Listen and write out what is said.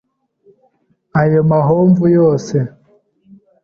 Ayo mahomvu yose